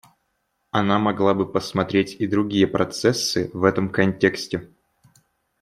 Она могла бы посмотреть и другие процессы в этом контексте.